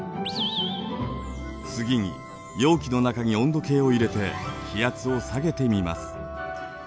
次に容器の中に温度計を入れて気圧を下げてみます。